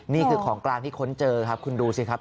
นี่คือของกลางที่ค้นเจอครับคุณดูสิครับ